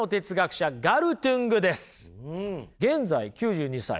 現在９２歳ね。